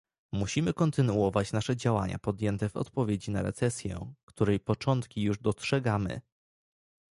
Musimy kontynuować nasze działania podjęte w odpowiedzi na recesję, której początki już dostrzegamy